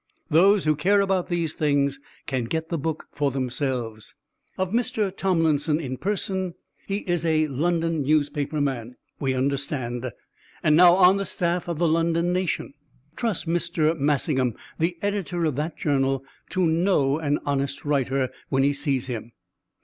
Those who care about these things can get the book for themselves. Of Mr. Tomlinson in person: he is a London newspaperman, we understand, and now on the staff of the London Nation. (Trust Mr. Massingham, the editor of that journal, to know an honest writer when he sees him.)